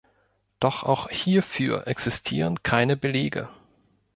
Doch auch hierfür existieren keine Belege.